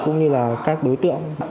cũng như là các đối tượng